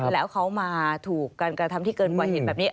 แล้วเขามาถูกการกระทำที่เกินกว่าเหตุแบบนี้